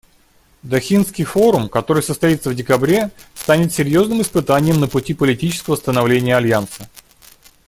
Дохинский форум, который состоится в декабре, станет серьезным испытанием на пути политического становления Альянса.